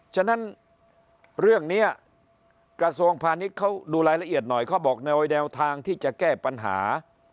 ฉะนั้นเรื่องนี้กระทรวงพาณิชย์เขาดูรายละเอียดหน่อยเขาบอกแนวทางที่จะแก้ปัญหา